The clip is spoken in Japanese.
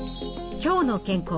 「きょうの健康」。